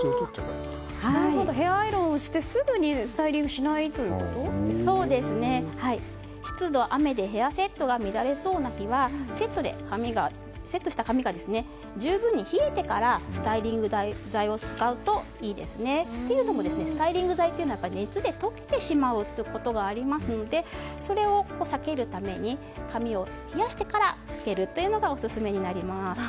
ヘアアイロンをしてすぐにスタイリングをしない湿度、雨でヘアセットが乱れそうな日はセットした髪が十分に冷えからスタイリング剤を使うといいですね。というのもスタイリング剤というのは熱で溶けてしまうことがありますのでそれを避けるために髪を冷やしてからつけるのがオススメです。